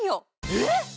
えっ⁉